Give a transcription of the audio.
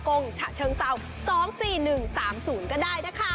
ก็ได้นะคะ